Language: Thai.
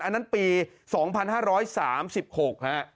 อันนั้นปี๒๕๓๖ฮะ